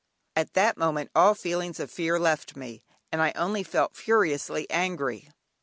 At that moment all feelings of fear left me, and I only felt furiously angry.